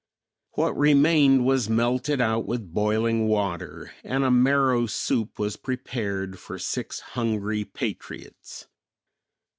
What remained was melted out with boiling water and a marrow soup was prepared for six hungry patriots.